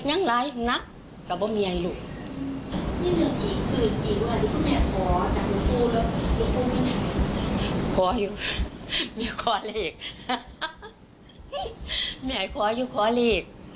มันเป็นสามเทียร์สิลูก